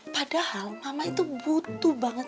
padahal mama itu butuh banget